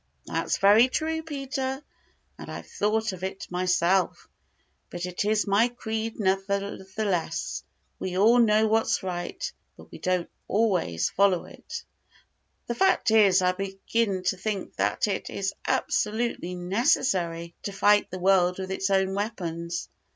"That's very true, Peter; and I've thought of it myself, but it is my creed nevertheless. We all know what's right, but we don't always follow it. The fact is, I begin to think that it is absolutely necessary to fight the world with it own weapons.